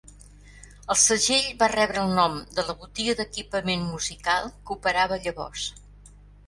El segell va rebre el nom de la botiga d'equipament musical que operava llavors.